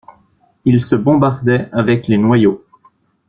Ils se bombardaient avec les noyaux.